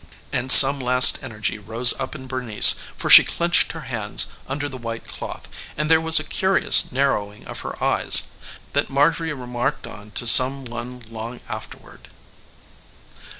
And some last energy rose up in Bernice, for she clinched her hands under the white cloth, and there was a curious narrowing of her eyes that Marjorie remarked on to some one long afterward.